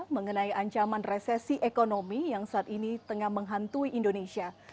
mengenai ancaman resesi ekonomi yang saat ini tengah menghantui indonesia